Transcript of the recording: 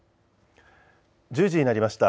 １０時になりました。